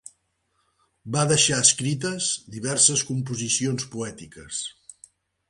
Va deixar escrites diverses composicions poètiques.